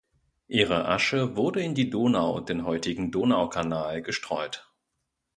Ihre Asche wurde in die Donau, den heutigen Donaukanal, gestreut.